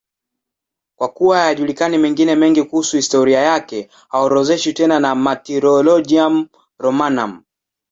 Kwa kuwa hayajulikani mengine mengi kuhusu historia yake, haorodheshwi tena na Martyrologium Romanum.